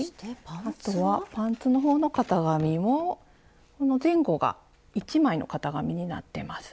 あとはパンツのほうの型紙もこの前後が１枚の型紙になってます。